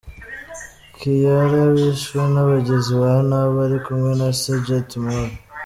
Kiara wishwe n’abagizi ba nabi ari kumwe na se Jet Moore.